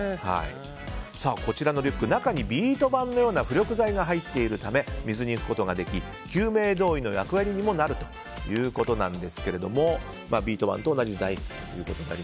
こちらのリュック中にビート板のような浮力材が入っているため水に浮くことができ救命胴衣の役割にもなるということですけどビート板と同じ材質。